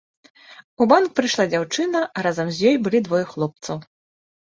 У банк прыйшла дзяўчына, а разам з ёй былі двое хлопцаў.